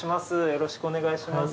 よろしくお願いします。